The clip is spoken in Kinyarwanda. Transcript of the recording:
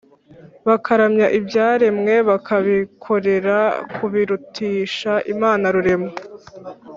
bakaramya ibyaremwe bakabikorera kubirutisha Imana Rurema